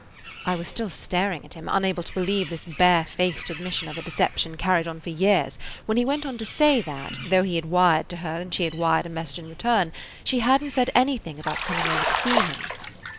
I was still staring at him, unable to believe this barefaced admission of a deception carried on for years, when he went on to say that, though he had wired to her and she had wired a message in return, she hadn't said anything about coming over to see him.